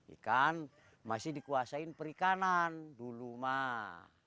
ikan masih dikuasain perikanan dulu mah